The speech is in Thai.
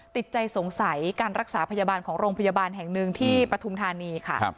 ติดใจสงสัยการรักษาพยาบาลของโรงพยาบาลแห่งหนึ่งที่ปฐุมธานีค่ะ